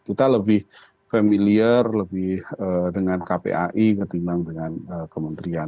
kita lebih familiar lebih dengan kpai ketimbang dengan kementerian